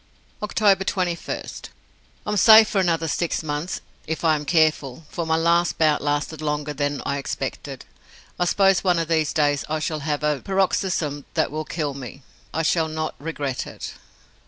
October 21st. I am safe for another six months if I am careful, for my last bout lasted longer than I expected. I suppose one of these days I shall have a paroxysm that will kill me. I shall not regret it.